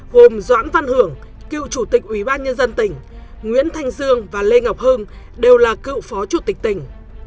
gồm doãn văn hưởng cựu chủ tịch ủy ban nhân dân tỉnh nguyễn thanh dương và lê ngọc hưng đều là cựu phó chủ tịch tỉnh